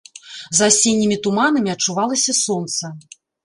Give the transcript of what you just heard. За асеннімі туманамі адчувалася сонца.